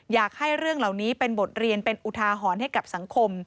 อยากให้เรื่องเหล่านี้เป็นบทเรียนเป็นอุทาหรณ์ให้กับสังคม